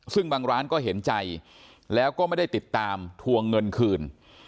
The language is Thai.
ซึ่งบางร้านก็เห็นใจแล้วก็ไม่ได้ติดตามทวงเงินคืน